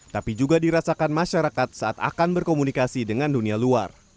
tapi juga dirasakan masyarakat saat akan berkomunikasi dengan dunia luar